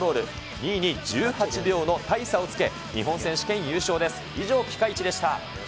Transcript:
２位に１８秒の大差をつけ、日本選手権優勝です。